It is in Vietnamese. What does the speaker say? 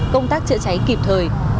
công tác trợ cháy kịp thời